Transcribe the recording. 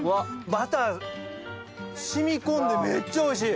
バター染み込んでめっちゃおいしい。